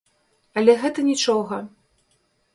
Але гэта нiчога...